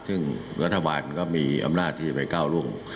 ซึ่งรัฐบาลก็มีอำนาจที่จะไปก้าวร่วง